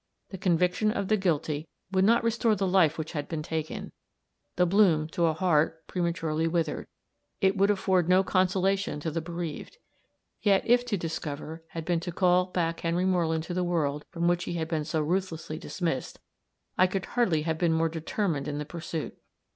The conviction of the guilty would not restore the life which had been taken; the bloom to a heart prematurely withered; it would afford no consolation to the bereaved. Yet, if to discover, had been to call back Henry Moreland to the world from which he had been so ruthlessly dismissed, I could hardly have been more determined in the pursuit.